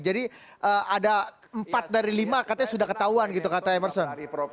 jadi ada empat dari lima katanya sudah ketahuan gitu kata emerson